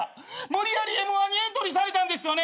無理やりＭ−１にエントリーされたんですよね。